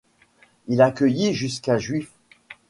Il accueillit jusqu'à Juifs.